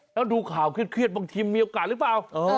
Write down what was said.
แล้วดูข่าวเครียดบางทีมีโอกาสหรือเปล่า